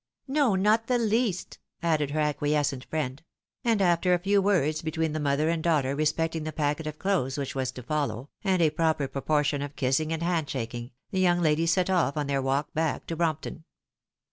" No, not the least," added her acquiescent friend ; and after a few words between the mother and daughter respecting the packet of clothes which was to follow, and a proper proportion of kissing and hand shaking, the young ladies set olf on their walk back to Brompton.